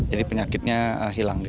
jadi penyakitnya hilang